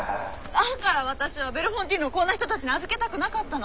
だから私はベルフォンティーヌをこんな人たちに預けたくなかったの。